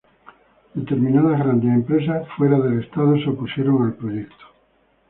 Determinadas grandes empresas fuera del estado se opusieron al proyecto.